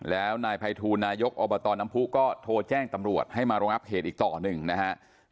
แล้วนายภัยทูลนายกอบตน้ำผู้ก็โทรแจ้งตำรวจให้มารองับเหตุอีกต่อหนึ่งนะฮะ